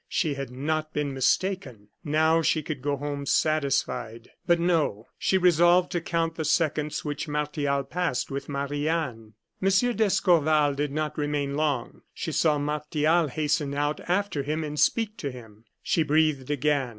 She had not been mistaken now she could go home satisfied. But no. She resolved to count the seconds which Martial passed with Marie Anne. M. d'Escorval did not remain long; she saw Martial hasten out after him, and speak to him. She breathed again.